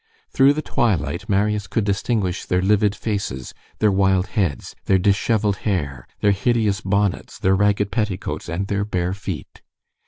Through the twilight, Marius could distinguish their livid faces, their wild heads, their dishevelled hair, their hideous bonnets, their ragged petticoats, and their bare feet.